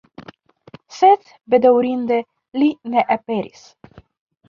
Sed bedaŭrinde li ne aperis.